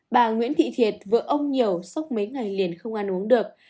bà nguyễn thị thiệt vợ ông nhiều sốc mấy ngày liền không ăn uống được